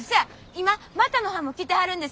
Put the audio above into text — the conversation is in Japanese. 今股野はんも来てはるんです。